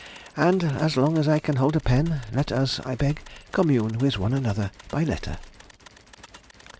And as long as I can hold a pen, let us, I beg, commune with one another by letter!